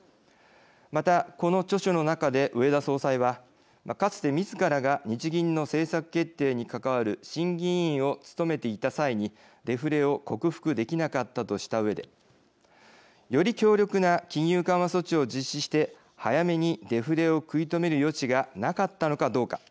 また、この著書の中で植田総裁はかつて、みずからが日銀の政策決定に関わる審議委員を務めていた際にデフレを克服できなかったとしたうえで「より強力な金融緩和措置を実施して早めにデフレを食い止める余地がなかったのかどうか。